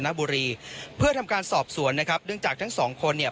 บุรีเพื่อทำการสอบสวนนะครับเนื่องจากทั้งสองคนเนี่ย